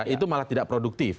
itu malah tidak produktif